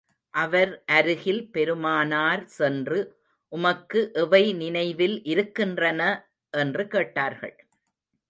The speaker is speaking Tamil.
அவர் அருகில் பெருமானார் சென்று, உமக்கு எவை நினைவில் இருக்கின்றன? என்று கேட்டார்கள்.